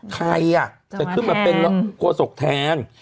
ใครอะจะขึ้นมาเป็นโคสกแทง